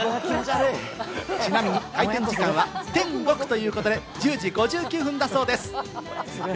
ちなみに開店時間は、天国ということで１０時５９分だそうです。